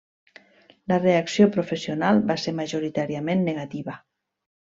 La reacció professional va ser majoritàriament negativa.